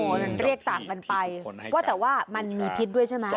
มันเรียกต่างกันไปว่าแต่ว่ามันมีพิษด้วยใช่ไหม